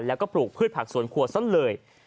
แล้วก็ปลูกพืชผักสวนครัวซะเลย